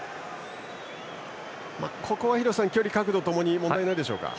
ここは廣瀬さん距離、角度ともに問題ないでしょうか。